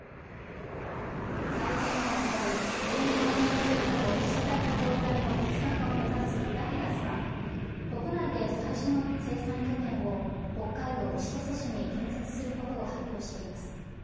最先端である２ナノメートル以下の次世代半導体の国産化を目指すラピダスは、国内で最初の生産拠点を北海道千歳市に建設することを発表しています。